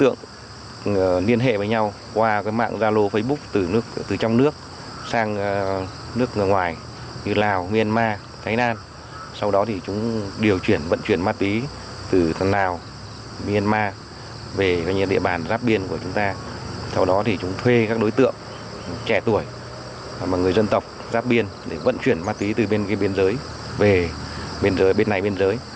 người dân tộc giáp biên để vận chuyển ma túy từ bên biên giới về bên này bên giới